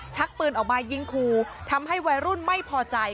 ชักปืนออกมายิงครูทำให้วัยรุ่นไม่พอใจ